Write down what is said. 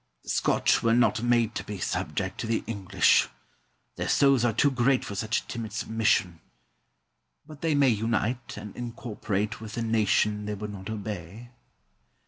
The Scotch were not made to be subject to the English. Their souls are too great for such a timid submission. But they may unite and incorporate with a nation they would not obey.